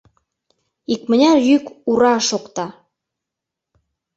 Икмыняр йӱк «Ура!» шокта.